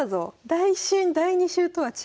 第１週第２週とは違う。